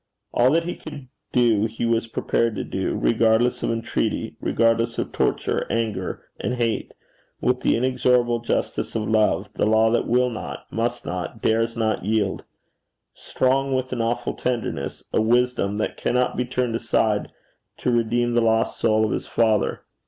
All that he could do he was prepared to do, regardless of entreaty, regardless of torture, anger, and hate, with the inexorable justice of love, the law that will not, must not, dares not yield strong with an awful tenderness, a wisdom that cannot be turned aside, to redeem the lost soul of his father.